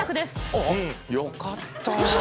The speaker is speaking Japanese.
あよかった。